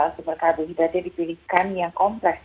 sumber karbohidratnya dipilihkan yang kompleks